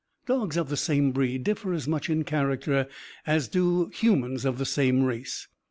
Dogs of the same breed differ as much in character as do humans of the same race.